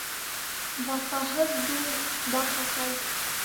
Вафаһыҙ дуҫ баш ашай.